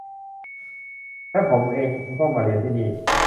และผมเองก็มาเรียนที่นี่